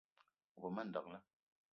O be ma ndekle